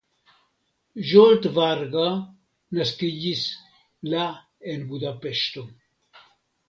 Zsolt Varga naskiĝis la en Budapeŝto.